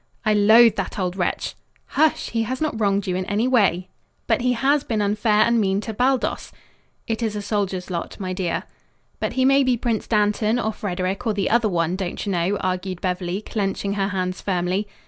"I loathe that old wretch!" "Hush! He has not wronged you in any way." "But he has been unfair and mean to Baldos." "It is a soldier's lot, my dear." "But he may be Prince Dantan or Frederic or the other one, don't you know," argued Beverly, clenching her hands firmly.